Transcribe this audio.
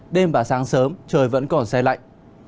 đêm và sáng sớm trời vẫn còn say lạnh